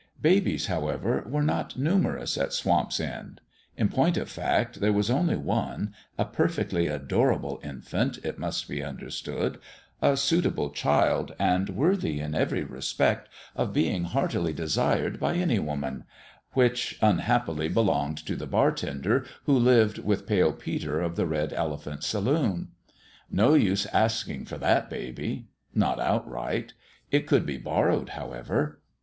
Babies, however, were not numerous at Swamp's End ; in point of fact, there was only one a per fectly adorable infant, it must be understood, a suitable child, and worthy, in every respect, of being heartily desired by any woman which unhappily belonged to the bartender who lived with Pale Peter of the Red Elephant saloon. No use asking for that baby ! Not outright. It could be borrowed, however.